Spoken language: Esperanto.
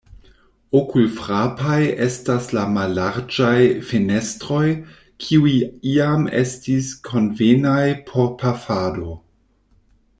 Okulfrapaj estas la mallarĝaj fenestroj, kiuj iam estis konvenaj por pafado.